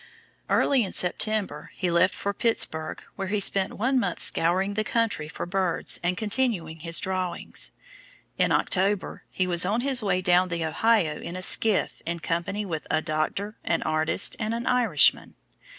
Early in September he left for Pittsburg where he spent one month scouring the country for birds and continuing his drawings. In October, he was on his way down the Ohio in a skiff, in company with "a doctor, an artist and an Irishman."